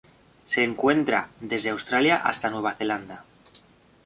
Se encuentra desde Australia hasta Nueva Zelanda.